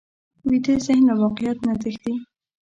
ویده ذهن له واقعیت نه تښتي